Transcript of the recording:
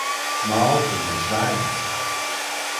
Mal in der Schweiz.